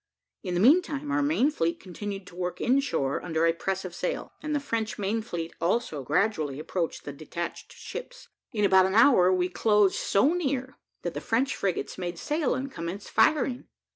In the meantime our main fleet continued to work in shore under a press of sail, and the French main fleet also gradually approached the detached ships. In about an hour we closed so near, that the French frigates made sail and commenced firing.